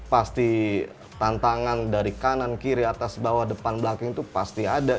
pasti tantangan dari kanan kiri atas bawah depan belakang itu pasti ada